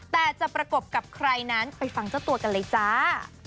แต่จะประกบกับใครนั้นไปฟังเจ้าตัวกันเลยจ้า